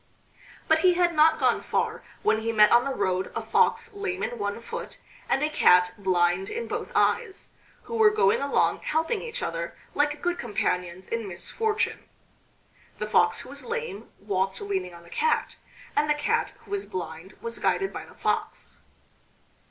But he had not gone far when he met on the road a Fox lame in one foot, and a Cat blind in both eyes, who were going along helping each other like good companions in misfortune. The Fox who was lame walked leaning on the Cat, and the Cat who was blind was guided by the Fox.